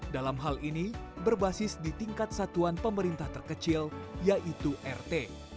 dalam hal ini berbasis di tingkat satuan pemerintah terkecil yaitu rt